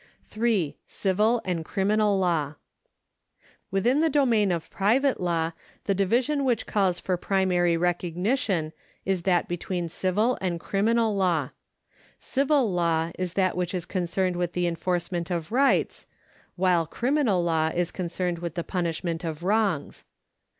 APPENDIX IV 483 3. Civil and Criminal Imw, Within the domain of private law tiie division which calls for jirimary recognition is that between civil and criminal law. Civil law is that which is concerned with tlie enforcement of rights, while criminal law is concerned with the punishment of wrongs.